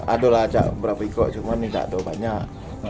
adalah berapa ikut cuma ini tidak banyak